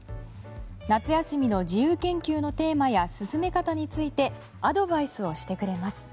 夏休みの自由研究のテーマや進め方についてアドバイスをしてくれます。